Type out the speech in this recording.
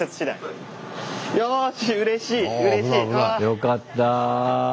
よかった。